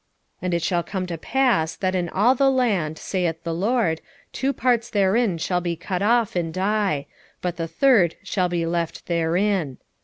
13:8 And it shall come to pass, that in all the land, saith the LORD, two parts therein shall be cut off and die; but the third shall be left therein.